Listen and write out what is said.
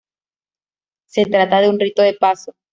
Se trata de un rito de paso.